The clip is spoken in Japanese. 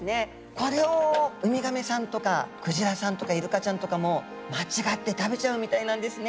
これをウミガメさんとかクジラさんとかイルカちゃんとかも間違って食べちゃうみたいなんですね。